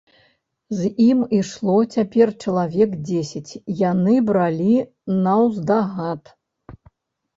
З ім ішло цяпер чалавек дзесяць, яны бралі наўздагад.